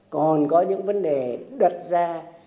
còn có những vấn đề đật ra